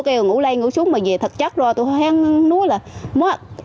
cô kêu ngủ lên ngủ xuống mà về thật chắc rồi tôi hoang nuôi là mất